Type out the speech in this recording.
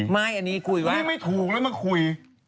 แม่ไม่ไม่ถูกเลยเขามาคุย